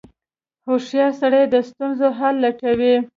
• هوښیار سړی د ستونزو حل لټوي.